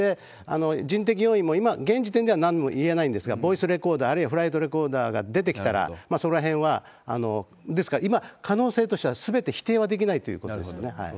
人的要因も、今、現時点では何も言えないんですが、ボイスレコーダー、あるいはフライトレコーダーが出てきたら、そこらへんは、ですから今、可能性としてはすべて否定はできないということですよね。